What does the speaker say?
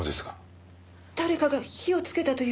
誰かが火をつけたという事ですか？